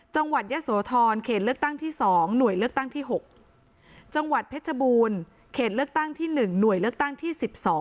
จังหวัดยะโสธรเขตเลือกตั้งที่๒หน่วยเลือกตั้งที่๖จังหวัดเพชรบูรณ์เขตเลือกตั้งที่๑หน่วยเลือกตั้งที่๑๒